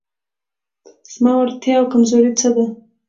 زما وړتیاوې او کمزورۍ څه دي؟